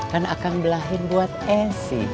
kan akang belahin buat esi